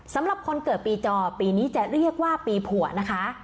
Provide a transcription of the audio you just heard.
สำหรับคนเกิดปีจอปีนี้จะเรียกว่าปีผัวนะคะ